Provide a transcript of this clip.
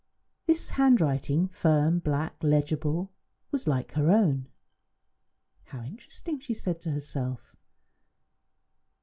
This handwriting, firm, black, legible, was like her own. "How interesting!" she said to herself.